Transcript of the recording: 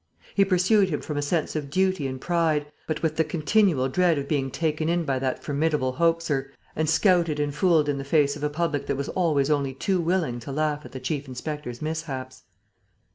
He pursued him from a sense of duty and pride, but with the continual dread of being taken in by that formidable hoaxer and scouted and fooled in the face of a public that was always only too willing to laugh at the chief inspector's mishaps.